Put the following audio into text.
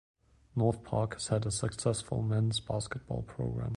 North Park has had a successful men's basketball program.